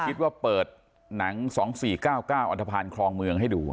คิดว่าเปิดหนัง๒๔๙๙อันทภาณคลองเมืองให้ดู